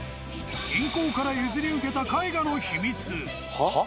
銀行から譲り受けた絵画の秘密。